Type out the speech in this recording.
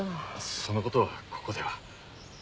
そのことはここでは。